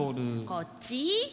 こっち。